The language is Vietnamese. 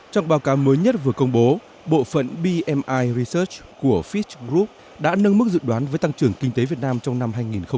trong báo cáo mới nhất vừa công bố bộ phận bmi research của fis group đã nâng mức dự đoán với tăng trưởng kinh tế việt nam trong năm hai nghìn hai mươi